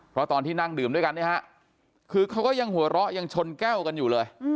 เพราะตอนที่นั่งดื่มด้วยกันเนี่ยฮะคือเขาก็ยังหัวเราะยังชนแก้วกันอยู่เลย